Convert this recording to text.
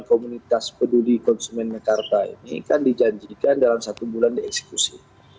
komunitas peduli konsumen mekarta ini kan dijanjikan dalam satu bulan dieksekusi